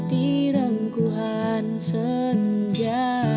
di rengguhan senja